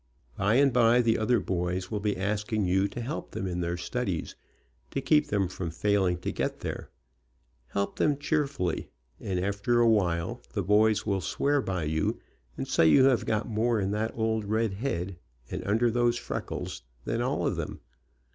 By and by the other boys will be asking you to help them in their studies, to keep them from failing to get there. Help them cheerfully, and after a while the boys will swear by you, and say you Lave got more in that old red head, ami under those RED HEADED BOY ANGEL freckles, than all of them.